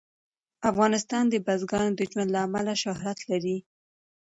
افغانستان د بزګانو د ژوند له امله شهرت لري.